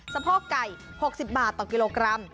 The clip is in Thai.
สะโพกไก่๖๐บาทต่อกิโลกรัม